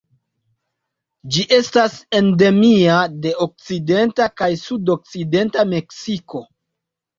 Ĝi estas endemia de okcidenta kaj sudokcidenta Meksiko.